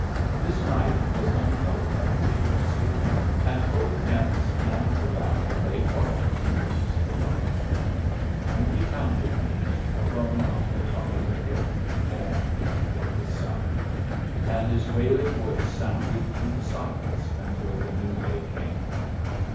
This night was untroubled at the agency, and both camps and the valley lay quiet in the peaceful dark. Only Pounded Meat, alone on the top of a hill, mourned for his son; and his wailing voice sounded through the silence until the new day came.